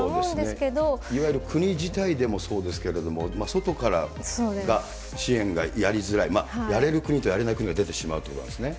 けれいわゆる国自体でもそうですけれども、外からが支援がやりづらい、やれる国とやれない国が出てしまうということなんですね。